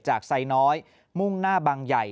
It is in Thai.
ไซน้อยมุ่งหน้าบางใหญ่